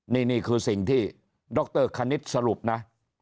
นี่คือสิ่งที่ดรคณิตสรุปนะ